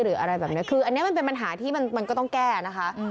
หรืออะไรแบบนี้คืออันนี้มันเป็นปัญหาที่มันก็ต้องแก้นะคะ